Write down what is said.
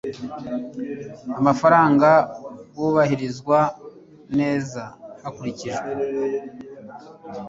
amafaranga bwubahirizwa neza hakurikijwe